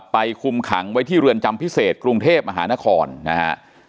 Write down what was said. คุมขังไว้ที่เรือนจำพิเศษกรุงเทพมหานครนะฮะ